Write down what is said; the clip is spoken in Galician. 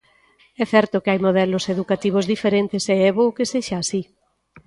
É certo que hai modelos educativos diferentes, e é bo que sexa así.